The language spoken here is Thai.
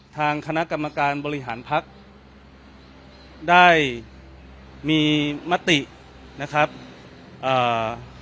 ทางคณะกรรมการบริหารพักได้มีมตินะครับอ่า